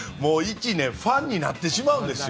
ファンになってしまうんですよ。